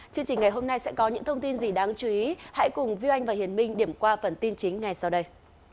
chương trình ngày hôm nay sẽ có những thông tin gì đáng chú ý hãy cùng vi anh và hiền minh điểm qua phần tin chính ngay sau đây